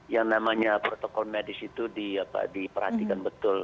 yang namanya protokol medis itu diperhatikan betul